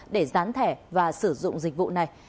để gián thẻ và sử dụng dịch vụ này